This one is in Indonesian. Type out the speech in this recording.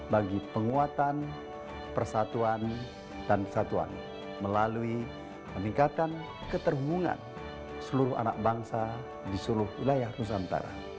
bagi penguatan persatuan dan kesatuan melalui peningkatan keterhubungan seluruh anak bangsa di seluruh wilayah nusantara